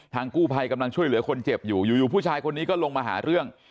กู้ภัยกำลังช่วยเหลือคนเจ็บอยู่อยู่ผู้ชายคนนี้ก็ลงมาหาเรื่อง